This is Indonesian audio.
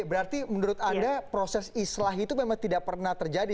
berarti menurut anda proses islah itu memang tidak pernah terjadi